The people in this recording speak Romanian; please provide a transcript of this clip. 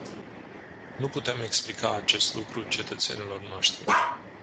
Nu putem explica acest lucru cetățenilor noștri.